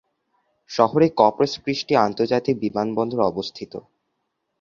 শহরে Corpus Christi আন্তর্জাতিক বিমানবন্দর অবস্থিত।